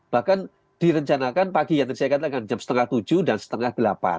bahkan direncanakan pagi ya tadi saya katakan jam setengah tujuh dan setengah delapan